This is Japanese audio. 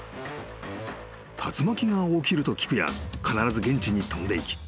［竜巻が起きると聞くや必ず現地に飛んでいき